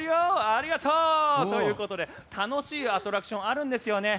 ありがとう！ということで楽しいアトラクションあるんですよね。